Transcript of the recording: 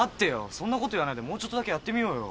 そんなこと言わないでもうちょっとだけやってみようよ。